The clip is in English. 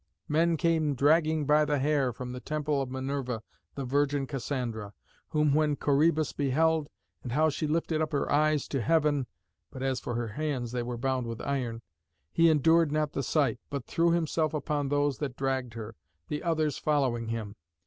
men came dragging by the hair from the temple of Minerva the virgin Cassandra, whom when Corœbus beheld, and how she lifted up her eyes to heaven (but as for her hands, they were bound with iron), he endured not the sight, but threw himself upon those that dragged her, the others following him.